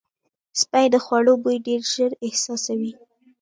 سپي د خوړو بوی ډېر ژر احساسوي.